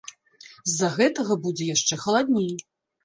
З-за гэтага будзе яшчэ халадней.